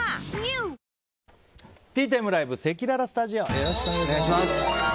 よろしくお願いします。